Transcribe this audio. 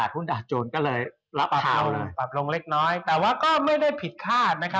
ปรับลงเล็กน้อยแต่ว่าก็ไม่ได้ผิดคาดนะคะ